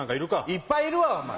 いっぱいいるわ！